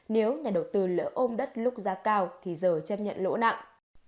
nếu nhà đầu tư lỡ ôm đất lúc giá cao thì giờ chấp nhận lỗ nặng